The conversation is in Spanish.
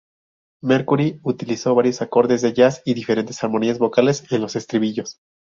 Mercury utilizó varios acordes de jazz y diferentes armonías vocales en los estribillos.